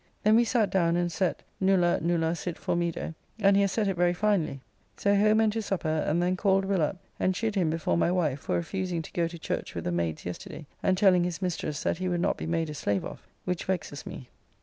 Then we sat down and set "Nulla, nulla sit formido," and he has set it very finely. So home and to supper, and then called Will up, and chid him before my wife for refusing to go to church with the maids yesterday, and telling his mistress that he would not be made a slave of, which vexes me.